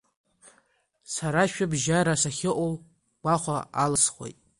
Сара шәыбжьара сахьыҟоу гәахәа алысхуеит…